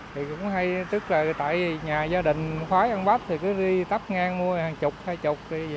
thì cũng hay tức là tại nhà gia đình khói ăn bắp thì cứ đi tắp ngang mua hàng chục hai chục đi